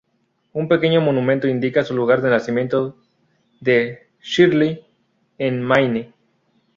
Un pequeño monumento indica su lugar de nacimiento en Shirley, en Maine.